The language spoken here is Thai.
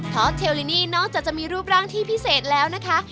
อสเทลลินี่นอกจากจะมีรูปร่างที่พิเศษแล้วนะคะ